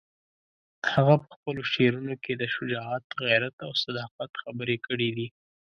هغه په خپلو شعرونو کې د شجاعت، غیرت او صداقت خبرې کړې دي.